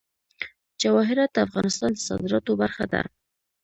جواهرات د افغانستان د صادراتو برخه ده.